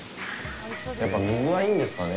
やっぱ水がいいんですかね。